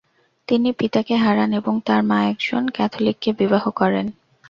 তিনি পিতাকে হারান এবং তার মা একজন ক্যাথলিককে বিবাহ করেন।